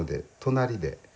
隣で。